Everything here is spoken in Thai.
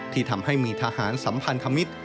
ที่ทำให้มีทหารสัมพันธมิตร